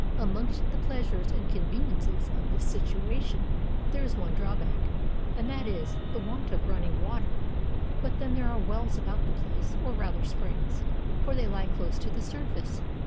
Amongst the pleasures and conveniences of this situ ation, there is one drawback, and that is, the want of running water; but then there are wells about the place, or rather springs, for they he close to the surface.